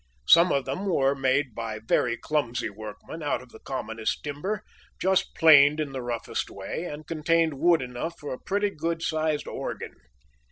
Some of them were made by very clumsy workmen, out of the commonest timber, just planed in the roughest way, and contained wood enough for a pretty good sized organ.